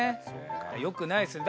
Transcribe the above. よくないですね。